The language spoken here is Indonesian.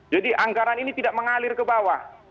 jadi anggaran ini tidak mengalir ke bawah